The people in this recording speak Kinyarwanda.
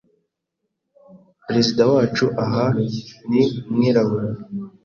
Perezida wacu aha ni umwirabura,